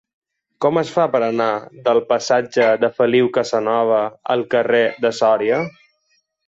Com es fa per anar del passatge de Feliu Casanova al carrer de Sòria?